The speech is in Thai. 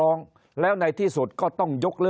คนในวงการสื่อ๓๐องค์กร